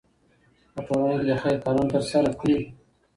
په ټولنه کې د خیر کارونه ترسره کړئ.